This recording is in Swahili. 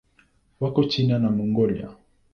Wako China na Mongolia.